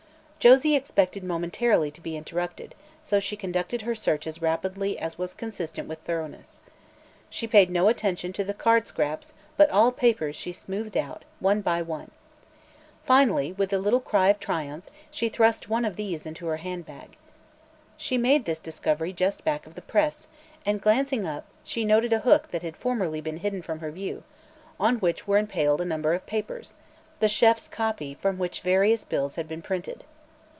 Josie expected momentarily to be interrupted, so she conducted her search as rapidly as was consistent with thoroughness. She paid no attention to the card scraps but all papers she smoothed out, one by one. Finally, with a little cry of triumph, she thrust one of these into her handbag. She made this discovery just back of the press, and glancing up, she noted a hook that had formerly been hidden from her view, on which were impaled a number of papers the chef's "copy" from which various bills had been printed.